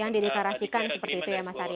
yang dideklarasikan seperti itu ya mas arya ya